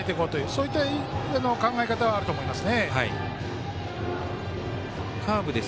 そういった考え方あると思います。